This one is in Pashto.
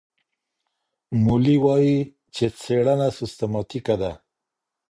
مولي وايي چي څېړنه سیستماتیکه ده.